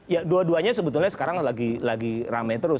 ya dua duanya sebetulnya sekarang lagi rame terus